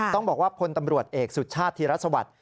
ต้องบอกว่าคนตำรวจเอกสุดชาติที่รัฐสวรรค์